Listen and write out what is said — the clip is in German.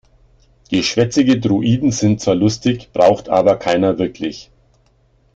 Geschwätzige Droiden sind zwar lustig, braucht aber keiner wirklich.